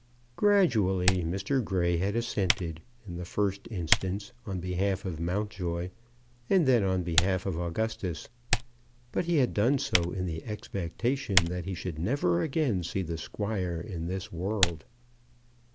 Gradually Mr. Grey had assented, in the first instance on behalf of Mountjoy, and then on behalf of Augustus. But he had done so in the expectation that he should never again see the squire in this world.